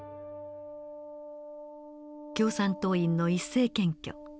共産党員の一斉検挙。